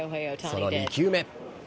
その２球目。